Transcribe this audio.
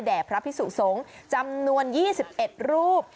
พระพิสุสงฆ์จำนวน๒๑รูป